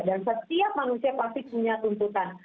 dan setiap manusia pasti punya tuntutan